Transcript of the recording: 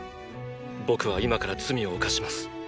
僕は今から罪を犯します。